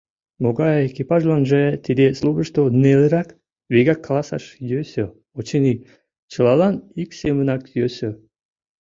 Могай экипажланже тиде службышто нелырак, вигак каласаш йӧсӧ, очыни, чылалан ик семынак йӧсӧ.